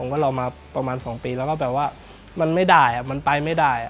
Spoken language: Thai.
ก็รอมาประมาณ๒ปีแล้วมันไปไม่ได้